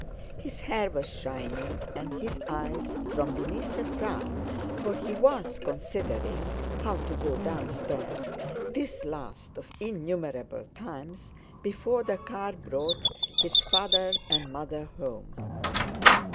His hair was shining, and his eyes, from beneath a frown, for he was considering how to go downstairs, this last of innumerable times, before the car brought his father and mother home.